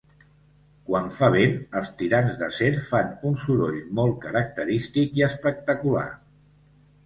Quan fa vent els tirants d'acer fan un soroll molt característic i espectacular.